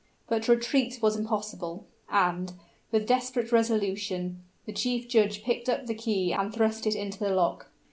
But to retreat was impossible; and, with desperate resolution, the chief judge picked up the key and thrust it into the lock.